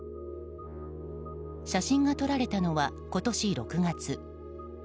写真が撮られたのは、今年６月。